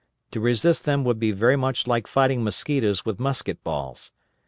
To resist them would be very much like fighting mosquitoes with musket balls.